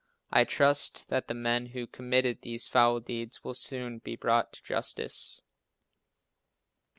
I trust that the men who committed these foul deeds will soon be brought to justice.